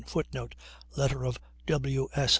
[Footnote: Letter of W. S.